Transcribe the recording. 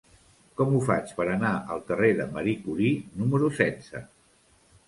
Com ho faig per anar al carrer de Marie Curie número setze?